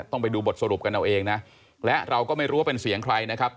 ต้องไปดูบทสรุปกันเอาเองนะและเราก็ไม่รู้ว่าเป็นเสียงใครนะครับ